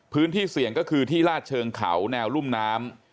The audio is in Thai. พื้นที่เสี่ยงก็คือที่ลาดเชิงเขาแนวรุ่มน้ำ